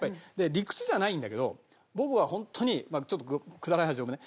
理屈じゃないんだけど僕はホントにちょっとくだらない話でごめんね。